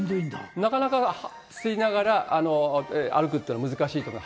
なかなか、吸いながら歩くっていうのは難しいと思う。